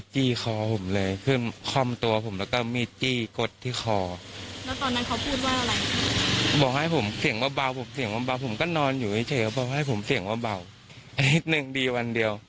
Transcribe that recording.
ใช่ครับทำคนในบ้านด้วย